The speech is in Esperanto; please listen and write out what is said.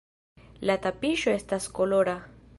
La tapiŝo estas kolora.